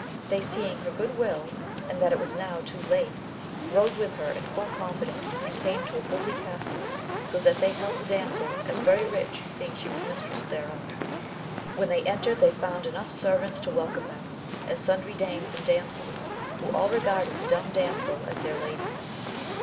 They seeing her good will, and that it was now late, rode with her in full confidence, and came to a goodly castle, so that they held the damsel as veiy rich seeing she was mistress thereof. When they entered they found enough servants to welcome them, and sundry dames and damsels, who all regarded the dumb damsel as their lady.